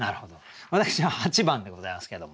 私は８番でございますけれども。